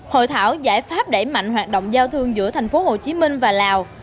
hội thảo giải pháp đẩy mạnh hoạt động giao thương giữa tp hcm và lào